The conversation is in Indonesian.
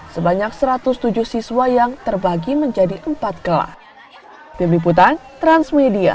sebanyak satu ratus tujuh siswa yang terbagi menjadi empat kelas